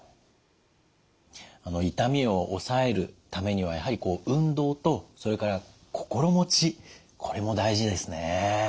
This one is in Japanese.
痛みを抑えるためにはやはり運動とそれから心持ちこれも大事ですね。